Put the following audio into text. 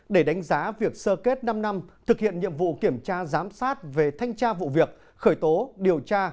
để đánh giá việc sơ kết năm năm thực hiện nhiệm vụ kiểm tra giám sát về thanh tra vụ việc khởi tố điều tra